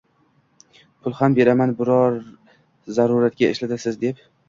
Pul ham beraman, biror zaruratga ishlatasiz, deb